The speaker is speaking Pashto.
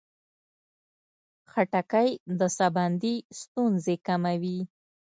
خټکی د ساه بندي ستونزې کموي.